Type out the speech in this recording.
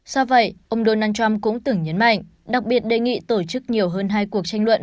do vậy ông donald trump cũng từng nhấn mạnh đặc biệt đề nghị tổ chức nhiều hơn hai cuộc tranh luận